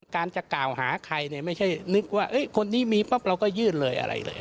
การจะกล่าวหาใครเนี่ยไม่ใช่นึกว่าคนนี้มีปั๊บเราก็ยื่นเลยอะไรเลย